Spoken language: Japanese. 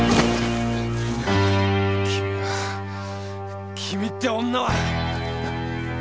君は君って女は。